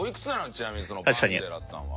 ちなみにそのバンデラスさんは。